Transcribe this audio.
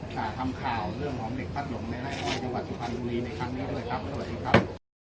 จะทำข่าวเรื่องของเด็กพัดหลงในไอจังหวัดสุพรรณบุรีในครั้งนี้ด้วยครับสวัสดีครับ